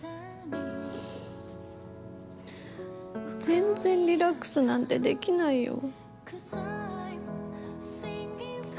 全然リラックスなんてできないよ。